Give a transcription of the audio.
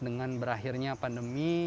dengan berakhirnya pandemi